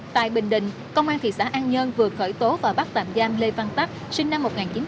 tại bình định công an thị xã an nhơn vừa khởi tố và bắt tạm giam lê văn tắp sinh năm một nghìn chín trăm tám mươi